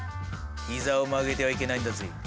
膝を曲げてはいけないんだぜ。